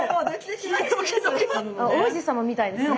王子様みたいですね。